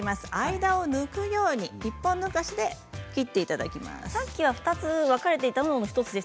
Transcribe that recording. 間を抜くように１本抜かしで抜いていきます。